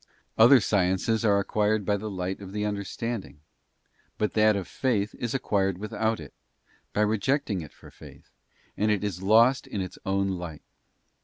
Other sciences are acquired by the light of the understanding, but that of faith is acquired without it, by rejecting it for faith, and it is lost in its own light.